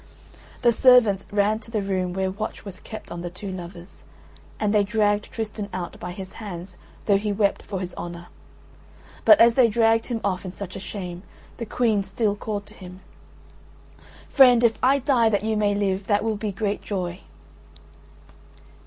The servants ran to the room where watch was kept on the two lovers; and they dragged Tristan out by his hands though he wept for his honour; but as they dragged him off in such a shame, the Queen still called to him: "Friend, if I die that you may live, that will be great joy."